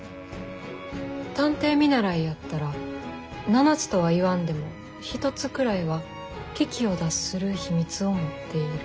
探偵見習やったら７つとは言わんでも一つくらいは危機を脱する秘密を持っている。